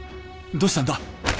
どうしたんだ？